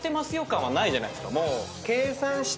感はないじゃないですか。